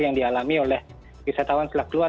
yang dialami oleh wisatawan setelah keluar